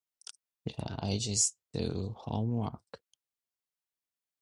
With "Ironic", Morissette denoted her support for same-sex marriage.